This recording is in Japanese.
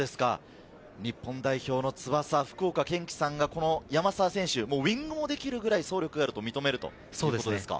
日本代表の翼・福岡堅樹さんが山沢選手はウイングができるくらい走力があると認めるんですね。